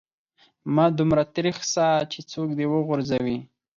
مه دومره تريخ سه چې څوک دي و غورځوي.